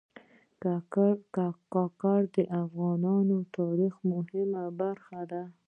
کاکړ د افغان تاریخ مهمه برخه دي.